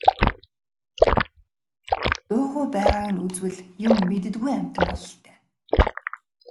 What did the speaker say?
Дуугүй байгааг нь үзвэл юм мэддэггүй амьтан бололтой.